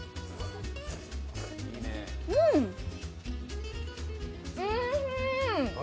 うん、おいしい！